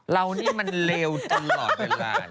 เรานี่มันเลวจังหลอดไปร้าน